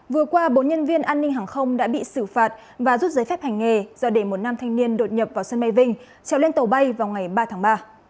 vừa qua bốn nhân viên an ninh hàng không đã bị xử phạt và rút giấy phép hành nghề do để một nam thanh niên đột nhập vào sân bay vinh trở lên tàu bay vào ngày ba tháng ba